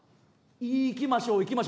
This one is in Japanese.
「行きましょう行きましょう」